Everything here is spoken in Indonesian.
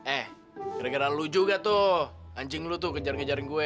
eh gara gara lu juga tuh anjing lu tuh kejar ngejarin gue